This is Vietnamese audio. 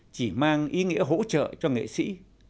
chỉ mang ý nghĩa hỗ trợ cho nghệ sĩ